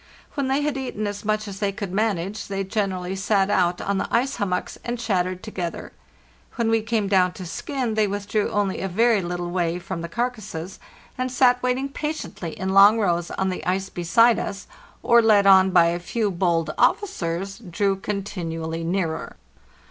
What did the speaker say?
When they had eaten as much as they could manage they generally sat out on the ice hummocks and chat tered together. When we came down to skin they with drew only a very little way from the carcasses, and sat waiting patiently in long rows on the ice beside us, or, led on by a few bold officers, drew continually nearer.